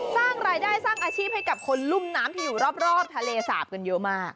สร้างรายได้สร้างอาชีพให้กับคนลุ่มน้ำที่อยู่รอบทะเลสาบกันเยอะมาก